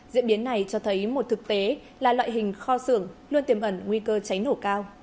diễn biến này cho thấy một thực tế là loại hình kho xưởng luôn tiềm ẩn nguy cơ cháy nổ cao